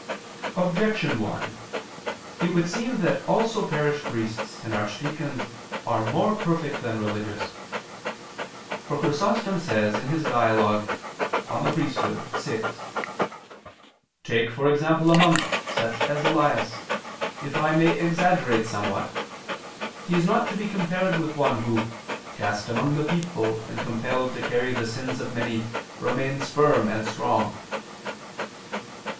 Objection 1: It would seem that also parish priests and archdeacons are more perfect than religious. For Chrysostom says in his Dialogue (De Sacerdot. vi): "Take for example a monk, such as Elias, if I may exaggerate somewhat, he is not to be compared with one who, cast among the people and compelled to carry the sins of many, remains firm and strong."